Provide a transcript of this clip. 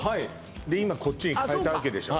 で今こっちに変えたわけでしょ？